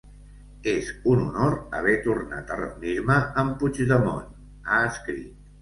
És un honor haver tornat a reunir-me amb Puigdemont, ha escrit.